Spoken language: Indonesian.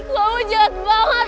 kamu jahat banget